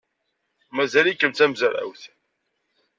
Mazal-ikem d tamezrawt?